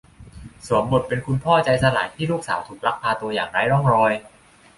สวมบทเป็นคุณพ่อใจสลายที่ลูกสาวถูกลักพาตัวอย่างไร้ร่องรอย